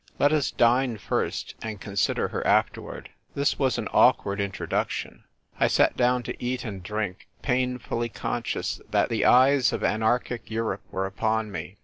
"Let us dine first, and consider her after ward." This was an awkward introduction. I sat down to eat and drink, painfully con scious that the eyes of anarchic Europe were upon me.